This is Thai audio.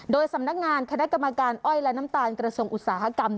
โดยสำนักงานคณะกรรมการอ้อยและน้ำตาลกระทรวงอุตสาหกรรม